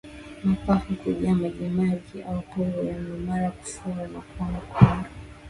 Mapafu kujaa majimaji au povu na mara kufura na kuwa mekundu